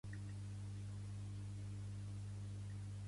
Enric Adroher i Pascual va ser un sindicalista nascut a Girona.